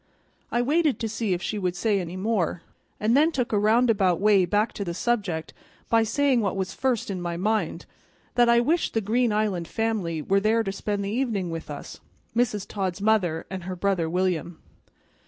I waited to see if she would say any more, and then took a roundabout way back to the subject by saying what was first in my mind: that I wished the Green Island family were there to spend the evening with us, Mrs. Todd's mother and her brother William.